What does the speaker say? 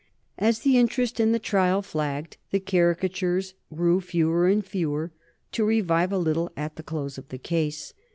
As the interest in the trial flagged the caricatures grew fewer and fewer, to revive a little at the close of the case.